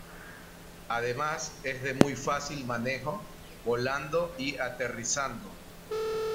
Además es de muy fácil manejo, volando y aterrizando.